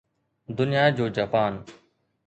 دنيا جو جاپان